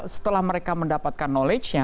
setelah mereka mendapatkan knowledge nya